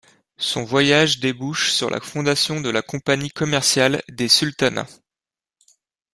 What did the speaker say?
Son voyage débouche sur la fondation de la Compagnie commerciale des Sultanats.